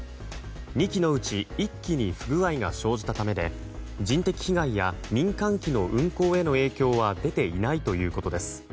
２機のうち１機に不具合が生じたためで人的被害や民間機の運航への影響は出ていないということです。